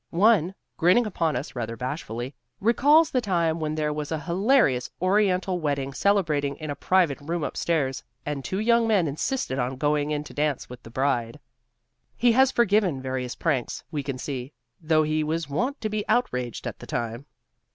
One, grinning upon us rather bashfully, recalls the time when there was a hilarious Oriental wedding celebrating in a private room upstairs and two young men insisted on going in to dance with the bride. He has forgiven various pranks, we can see, though he was wont to be outraged at the time.